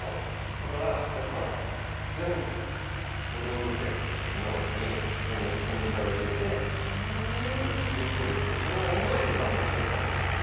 だからやっぱ全都道府県の建材を入れて造ってるってその思いが面白かったりするし。